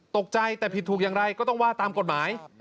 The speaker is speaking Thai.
ตกใจแต่ผิดถูกอย่างไรก็ต้องว่าตามกฎหมาย